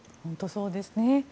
本当にそうですね。